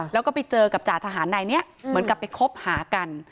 แล้วก็ไปเจอกับจ่าทหารนายนี้เหมือนกับไปคบหากัน